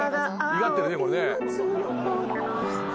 いがってるねこれね。